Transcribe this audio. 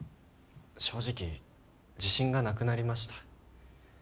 正直自信がなくなりました。